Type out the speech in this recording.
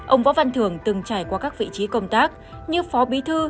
ông võ văn thường từng trải qua các vị trí công tác như phó bí thư